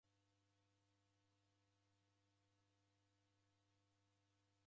Kupata w'ughanga ni w'udumiki ghwa w'andu w'ose.